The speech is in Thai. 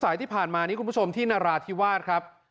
ที่ผ่านมานี้คุณผู้ชมที่นราธิวาสครับ